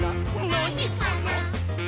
「なにかな？」